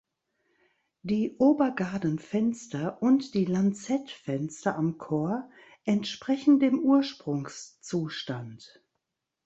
Die Obergadenfenster und die Lanzettfenster am Chor entsprechen dem Ursprungszustand.